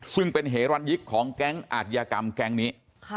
ซึ่งเป็นเหรันยิกของแก๊งอาทยากรรมแก๊งนี้